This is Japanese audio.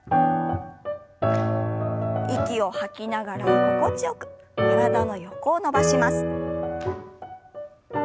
息を吐きながら心地よく体の横を伸ばします。